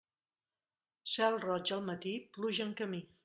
Cel roig al matí, pluja en camí.